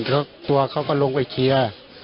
เพราะตัวเขาก็ลงไปเคลียร์